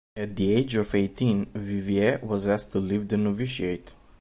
At the age of eighteen, Vivier was asked to leave the novitiate.